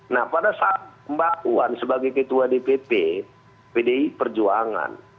nah pada saat kembanguan sebagai ketua dpp pdi perjuangan